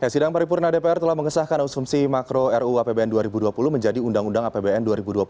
sidang paripurna dpr telah mengesahkan asumsi makro ruu apbn dua ribu dua puluh menjadi undang undang apbn dua ribu dua puluh